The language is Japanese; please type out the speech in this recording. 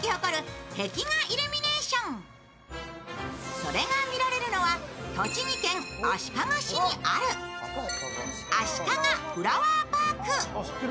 それが見られるのは、栃木県足利市にあるあしかがフラワーパーク。